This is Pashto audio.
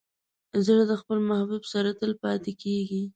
زړه د خپل محبوب سره تل پاتې کېږي.